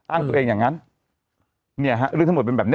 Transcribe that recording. อ้างตัวเองอย่างนั้นเนี่ยฮะเรื่องทั้งหมดเป็นแบบนี้